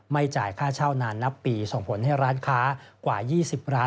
จ่ายค่าเช่านานนับปีส่งผลให้ร้านค้ากว่า๒๐ร้าน